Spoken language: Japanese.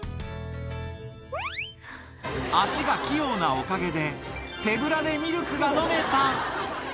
足が器用なおかげで、手ぶらでミルクが飲めた。